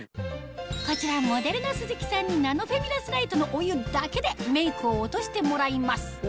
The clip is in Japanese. こちらモデルの鈴木さんにナノフェミラスライトのお湯だけでメイクを落としてもらいます